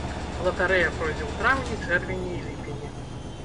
Латарэя пройдзе ў траўні, чэрвені і ліпені.